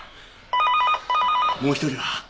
もう一人は？